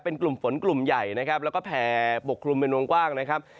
เป็นกลุ่มฝนกลุ่มใหญ่นะครับแล้วก็แผ่ปกคลุมเป็นวงกว้างนะครับ